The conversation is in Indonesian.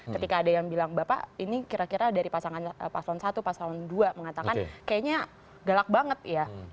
ketika ada yang bilang bapak ini kira kira dari pasangan paslon satu paslon dua mengatakan kayaknya galak banget ya